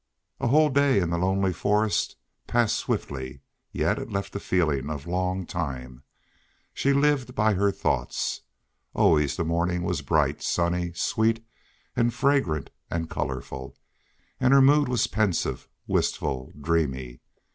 A whole day in the lonely forest passed swiftly, yet it left a feeling of long time. She lived by her thoughts. Always the morning was bright, sunny, sweet and fragrant and colorful, and her mood was pensive, wistful, dreamy.